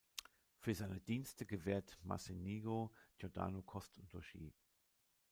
Für seine Dienste gewährt Mocenigo Giordano Kost und Logis.